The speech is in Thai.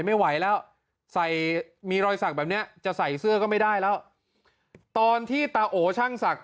ไม่ไหวแล้วใส่มีรอยสักแบบเนี้ยจะใส่เสื้อก็ไม่ได้แล้วตอนที่ตาโอช่างศักดิ